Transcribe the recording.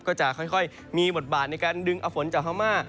ก็จะค่อยมีบทบาทในการดึงเอาฝนจากพม่า